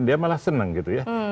dia malah senang gitu ya